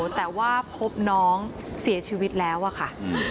แต่ว่าพบน้องเสียชีวิตแล้วอะค่ะ